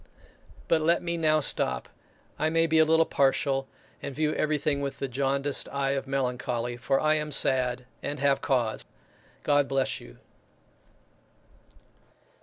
But let me now stop; I may be a little partial, and view everything with the jaundiced eye of melancholy for I am sad and have cause. God bless you!